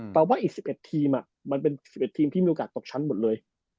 ว่าอีก๑๑ทีมมันเป็น๑๑ทีมที่มีโอกาสตกชั้นหมดเลย